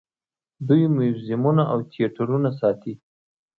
دوی موزیمونه او تیاترونه ساتي.